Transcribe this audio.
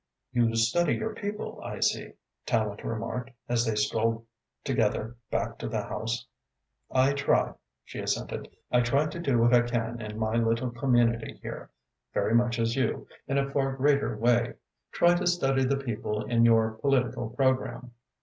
"You study your people, I see," Tallente remarked, as they strolled together back to the house. "I try," she assented. "I try to do what I can in my little community here, very much as you, in a far greater way, try to study the people in your political programme.